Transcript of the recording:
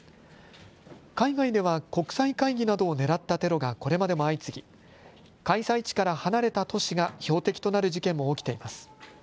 海外では国際会議などを狙ったテロがこれまでも相次ぎ開催地から離れた都市が標的となる事件も起きています。